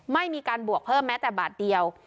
ไม่มีการบวกเพิ่มแม้แต่บาทเดียว